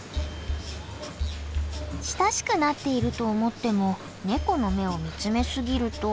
親しくなっていると思ってもネコの目を見つめ過ぎると。